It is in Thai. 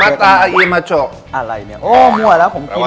มัตตาอีมชกอะไรเนี่ยโอ้มั่วแล้วผมกินแล้ว